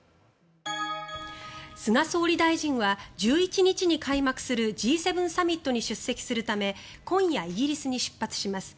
菅総理大臣は１１日に開幕するＧ７サミットに出席するため今夜、イギリスに出発します。